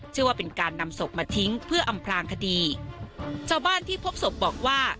เชื่อว่าเป็นการนำศพมาทิ้งเพื่ออำพลางคดีชาวบ้านที่พบศพบอกว่า